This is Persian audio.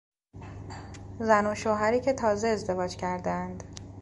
زن و شوهری که تازه ازدواج کردهاند